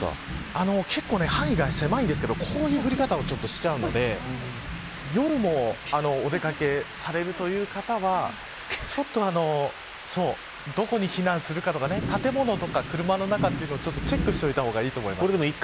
結構、範囲が狭いんですけどこういう降り方をしちゃうので夜もお出掛けされるという方はどこに避難するかとか建物とか車の中をチェックしておいた方がいいと思います。